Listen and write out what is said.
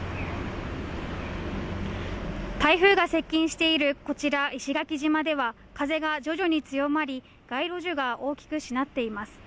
台風が接近しているこちら石垣島では風が徐々に強まり、街路樹が大きくしなっています。